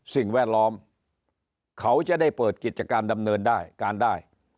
สิ่งแวดล้อมเขาจะได้เปิดกิจการดำเนินได้การได้